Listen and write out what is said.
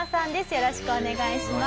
よろしくお願いします。